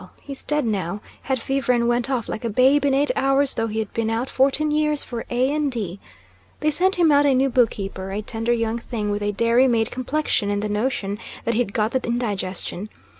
he's dead now, had fever and went off like a babe in eight hours though he'd been out fourteen years for A and D . They sent him out a new book keeper, a tender young thing with a dairymaid complexion and the notion that he'd got the indigestion.